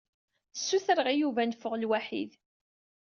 Sutreɣ i Yuba ad neffeɣ lwaḥid.